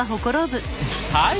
はい。